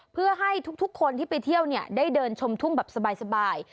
เพื่อให้ทุกคนที่ไปเที่ยวได้เดินชมทุ่งแบบสบาย